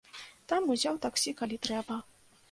Там узяў таксі, калі трэба.